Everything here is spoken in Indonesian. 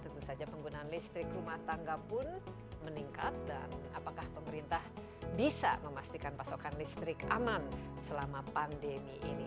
tentu saja penggunaan listrik rumah tangga pun meningkat dan apakah pemerintah bisa memastikan pasokan listrik aman selama pandemi ini